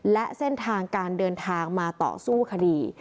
และเส้นทางการเดินทางมาต่อสู้คดี